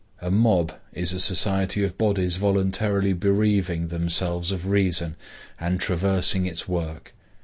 A mob is a society of bodies voluntarily bereaving themselves of reason and traversing its work.